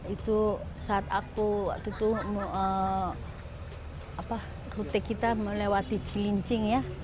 itu saat aku waktu itu rute kita melewati cilincing ya